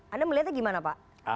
anda melihatnya gimana pak